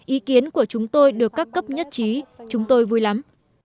ý kiến của chúng tôi được các cấp nhất trí chúng tôi vui lắm